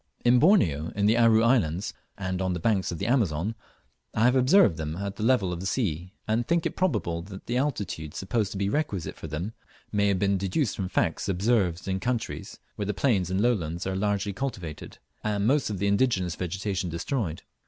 In Borneo, in the Aru Islands, and on the banks of the Amazon, I have observed them at the level of the sea, and think it probable that the altitude supposed to be requisite for them may have been deduced from facts observed in countries where the plains and lowlands are largely cultivated, and most of the indigenous vegetation destroyed.